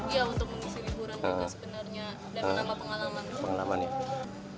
ya untuk mengisi liburan mereka sebenarnya dan menambah pengalaman